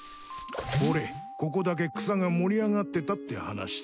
ほれここだけ草が盛り上がってたって話さ。